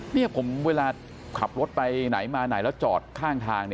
นี่ผมเวลาขับรถไปไหนมาไหนแล้วจอดข้างทาง